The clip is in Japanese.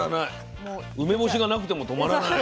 梅干しがなくても止まらない。